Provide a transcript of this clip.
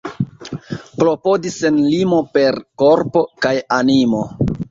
Klopodi sen limo per korpo kaj animo.